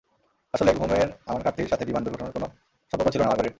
আসলে, ঘুমের আমার ঘাটতির সাথে বিমান দূর্ঘটনার কোনো সম্পর্ক ছিল না, মার্গারেট।